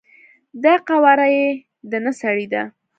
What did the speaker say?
دا قواره یی د نه سړی ده،